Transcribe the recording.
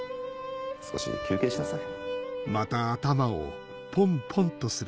少し休憩しなさい